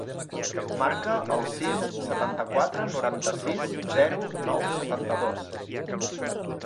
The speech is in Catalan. Marca el sis, setanta-quatre, noranta-sis, zero, nou, setanta-dos.